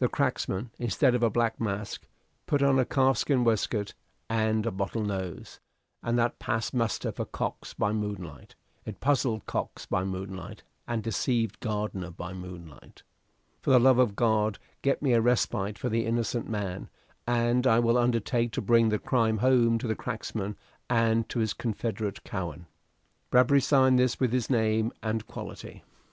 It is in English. The cracksman, instead of a black mask, put on a calf skin waistcoat and a bottle nose, and that passed muster for Cox by moonlight; it puzzled Cox by moonlight, and deceived Gardiner by moonlight. "For the love of God get me a respite for the innocent man, and I will undertake to bring the crime home to the cracksman and to his confederate Cowen." Bradbury signed this with His name and quality.